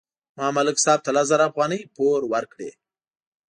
ما ملک صاحب ته لس زره افغانۍ پور ورکړې.